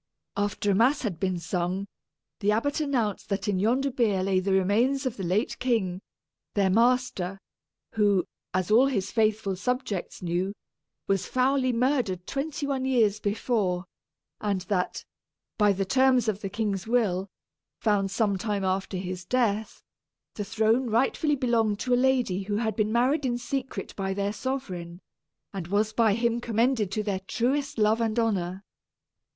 After a mass had been sung, the abbot announced that in yonder bier lay the remains of the late king, their master, who, as all his faithful subjects knew, was foully murdered twenty one years before; and that, by the terms of the king's will, found some time after his death, the throne rightfully belonged to a lady who had been married in secret by their sovereign, and was by him commended to their truest love and honor.